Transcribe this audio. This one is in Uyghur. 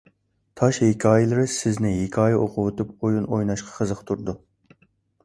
«تاش ھېكايىلىرى» سىزنى ھېكايە ئوقۇۋېتىپ ئويۇن ئويناشقا قىزىقتۇرىدۇ.